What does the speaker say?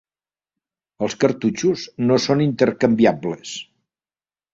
Els cartutxos no són intercanviables.